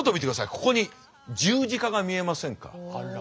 ここに十字架が見えませんか？